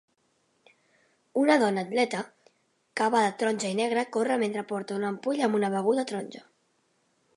Una dona atleta que va de taronja i negre corre mentre porta una ampolla amb una beguda taronja.